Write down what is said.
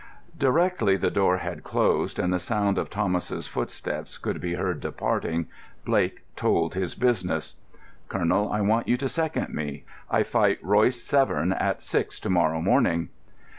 Directly the door had closed and the sound of Thomas's footsteps could be heard departing, Blake told his business. "Colonel, I want you to second me. I fight Royce Severn at six to morrow morning."